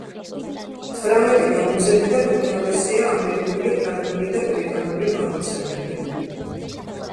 თვრამეტი გამოცემიდან უმთავრესია, ამერიკული, ფრანგული და ბრიტანული გამოცემები.